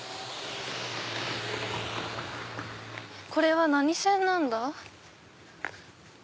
これは何線なんだ？